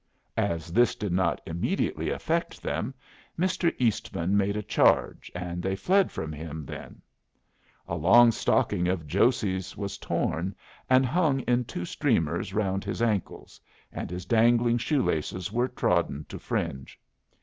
As this did not immediately affect them, Mr. Eastman made a charge, and they fled from him then. A long stocking of Josey's was torn, and hung in two streamers round his ankles; and his dangling shoe laces were trodden to fringe.